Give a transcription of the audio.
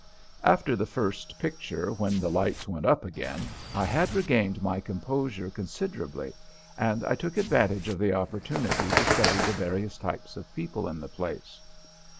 After the first picture, when the lights went up again, I had regained my composure considerably and I took advantage of the opportunity to study the various types of people in the place.